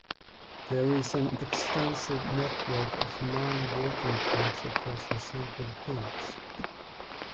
There is an extensive network of nine walking tracks across the central peaks.